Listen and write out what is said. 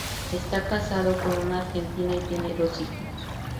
Está casado con una argentina y tiene dos hijos.